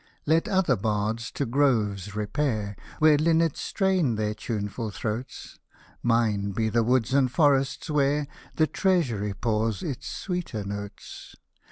Let other bards to groves repair, Where linnets strain their tuneful throats, Mine be the Woods and Forests, where The Treasury pours its sweeter 7iotes.